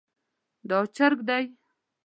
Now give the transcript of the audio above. دا چرګ دی